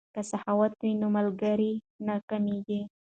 که سخاوت وي نو ملګری نه کمیږي.